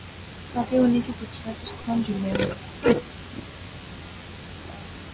کاکے اُناں کی پُچھیا تس کھان جلنے آ